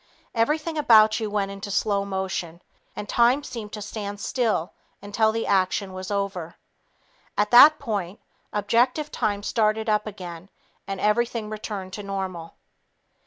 Everything about you went into slow motion, and time seemed to stand still until the action was over. At that point, objective time started up again and everything returned to normal.